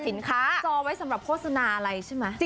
คือไม่ได้เป็นจอไว้สำหรับโฆษณาอะไรใช่มั้ย